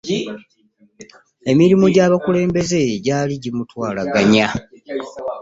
Emirimu gy'obukulembeze gyali jimutwalaganya .